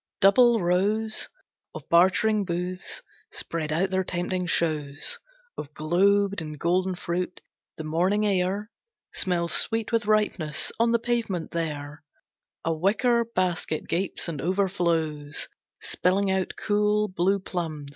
Double rows Of bartering booths spread out their tempting shows Of globed and golden fruit, the morning air Smells sweet with ripeness, on the pavement there A wicker basket gapes and overflows Spilling out cool, blue plums.